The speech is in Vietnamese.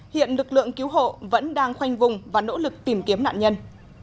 hiện lực lượng cứu hộ vẫn đang khoanh vùng và nỗ lực tìm kiếm nạn nhân